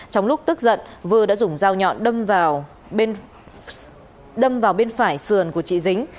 trong lúc tức giận vư đã dùng dao nhọn đâm vào bên phải sườn của chị dính